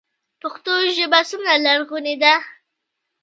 پښتو ژبه څومره لرغونې ده؟